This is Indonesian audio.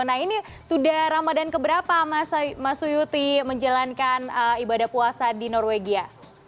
nah ini sudah ramadan keberapa mas suyuti menjalankan ibadah puasa di norwegia